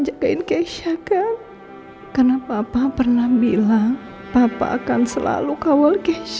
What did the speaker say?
jagain keisha kan karena papa pernah bilang papa akan selalu kawal keisha